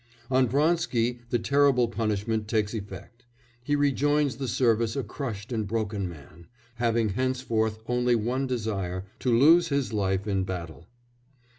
On Vronsky the terrible punishment takes effect; he rejoins the service a crushed and broken man, having henceforward only one desire to lose his life in battle.